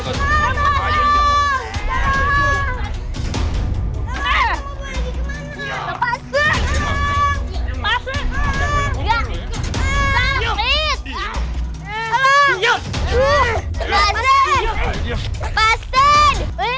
kamu mau pergi kemana